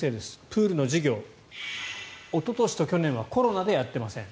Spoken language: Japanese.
プールの授業おととしと去年はコロナでやってません。